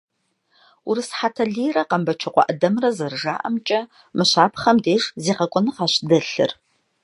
Урыс Хьэтэлийрэ Къэмбэчокъуэ ӏэдэмрэ зэрыжаӏэмкӏэ, мы щапхъэм деж зегъэкӏуэныгъэщ дэлъыр.